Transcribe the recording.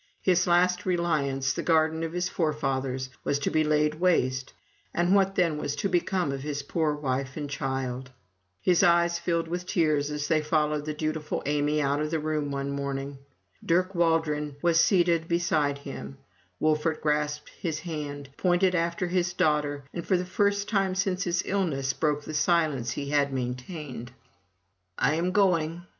His last reliance, the garden of his forefathers, was to be laid waste, and what then was to become of his poor wife and child? His eyes filled with tears as they followed the dutiful Amy out of the room one morning. Dirk Waldron was seated beside him; Wolfert grasped his hand, pointed after his daughter, and for the first time since his illness, broke the silence he had maintained. 148 FROM THE TOWER WINDOW "I am going!''